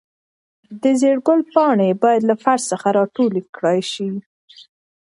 د زېړ ګل پاڼې باید له فرش څخه راټولې کړل شي.